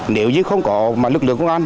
nếu như không có mà lực lượng công an